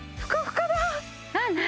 何？